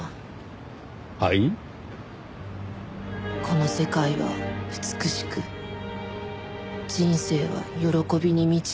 「この世界は美しく人生は喜びに満ちている」。